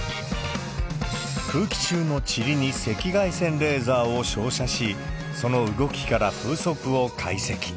空気中のちりに赤外線レーザーを照射し、その動きから風速を解析。